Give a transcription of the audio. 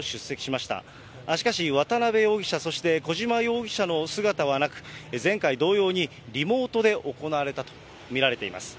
しかし、渡辺容疑者、そして小島容疑者の姿はなく、前回同様に、リモートで行われたと見られています。